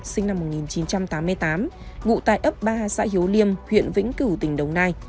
sinh năm một nghìn chín trăm tám mươi tám ngụ tại ấp ba xã hiếu liêm huyện vĩnh cửu tỉnh đồng nai